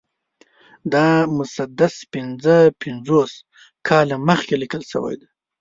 دا مسدس پنځه پنځوس کاله مخکې لیکل شوی دی.